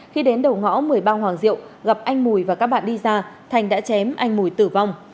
khi đến đầu ngõ một mươi ba hoàng diệu gặp anh mùi và các bạn đi ra thành đã chém anh mùi tử vong